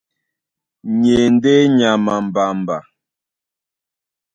Ni e ndé nyama a mbamba.